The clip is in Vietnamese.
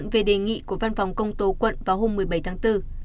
về đề nghị của văn phòng công tố quận vào hôm một mươi bảy tháng bốn